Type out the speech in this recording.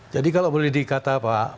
jadi kalau boleh dikata pak